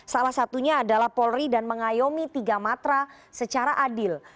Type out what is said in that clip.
salah satunya adalah polri dan mengayomi tiga matra secara adil